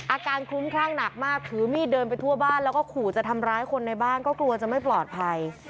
คลุ้มคลั่งหนักมากถือมีดเดินไปทั่วบ้านแล้วก็ขู่จะทำร้ายคนในบ้านก็กลัวจะไม่ปลอดภัย